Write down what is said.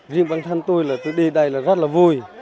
riêng bản thân tôi là tôi đi đây là rất là vui